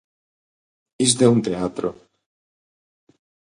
Isto é un teatro.